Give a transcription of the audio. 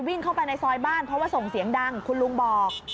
วิ่งเข้าไปในซอยบ้านเพราะว่าส่งเสียงดังคุณลุงบอก